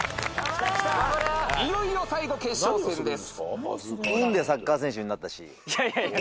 いよいよ最後決勝戦です。